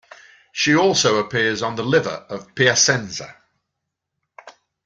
She also appears on the Liver of Piacenza.